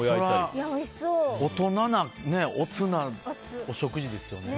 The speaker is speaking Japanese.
それは、大人なおつなお食事ですね。